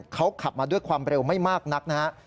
เขาขับมาด้วยความเร็วไม่มากนักนะครับ